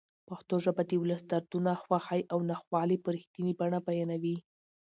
پښتو ژبه د ولس دردونه، خوښۍ او ناخوالې په رښتینې بڼه بیانوي.